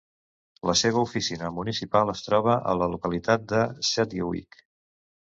La seva oficina municipal es troba a la localitat de Sedgewick.